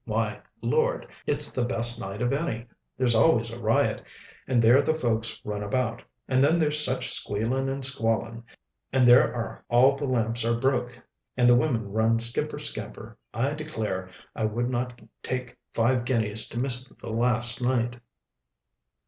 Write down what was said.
Why, Lord, it's the best night of any; there's always a riot, and there the folks run about, and then there's such squealing and squalling! and there, all the lamps are broke, and the women run skimper scamper I declare, I would not take five guineas to miss the last night!"